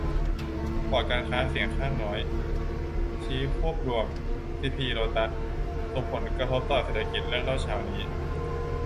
บอร์ดการค้าเสียงข้างน้อย ชี้ควบรวมซีพี-โลตัส ส่งผลกระทบต่อเศรษฐกิจ เรื่องเล่าเช้านี้